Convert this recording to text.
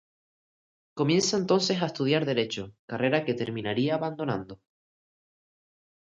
Comienza entonces a estudiar Derecho, carrera que terminaría abandonando.